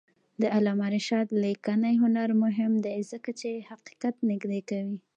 د علامه رشاد لیکنی هنر مهم دی ځکه چې حقیقت نږدې کوي.